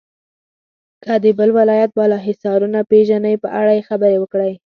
که د بل ولایت بالا حصارونه پیژنئ په اړه یې خبرې وکړئ.